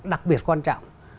đặc biệt quan trọng